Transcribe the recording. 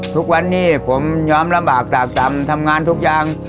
ทุกวันนี้ผมยอมลำบากตากต่ำทำงานทุกอย่าง